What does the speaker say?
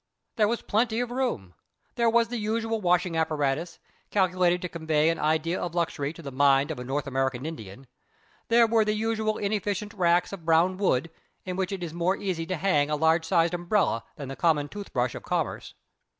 There was plenty of room; there was the usual washing apparatus, calculated to convey an idea of luxury to the mind of a North American Indian; there were the usual inefficient racks of brown wood, in which it is more easy to hang a large sized umbrella than the common tooth brush of commerce.